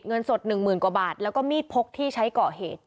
เงินสดหนึ่งหมื่นกว่าบาทแล้วก็มีดพกที่ใช้ก่อเหตุ